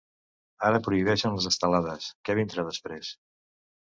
Ara prohibeixen les estelades, què vindrà després?